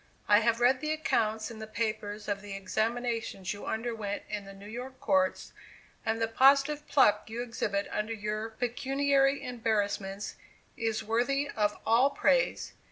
I have read the accounts in the papers of the examinations you underwent in the New York courts, and the positive pluck you exhibit under your pecuniary embarrassments is worthy of all praise.